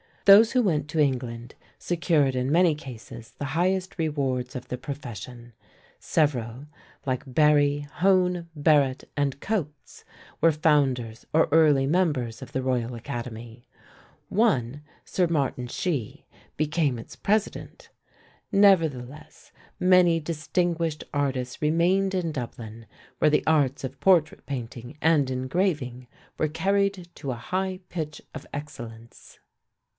Those who went to England secured in many cases the highest rewards of the profession. Several, like Barry, Hone, Barrett, and Cotes, were founders or early members of the Royal Academy; one, Sir Martin Shee, became its President. Nevertheless, many distinguished artists remained in Dublin, where the arts of portrait painting and engraving were carried to a high pitch of excellence.